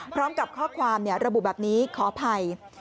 พร้อมกับข้อความระบุแบบนี้ขออภัย